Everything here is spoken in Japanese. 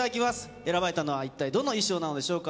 選ばれたのは一体どの衣装なんでしょうか。